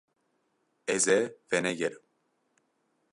Ez ê venegerim.